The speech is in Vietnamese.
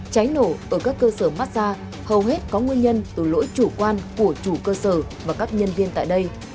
cháy nổ ở các cơ sở massage hầu hết có nguyên nhân từ lỗi chủ quan của chủ cơ sở và các nhân viên tại đây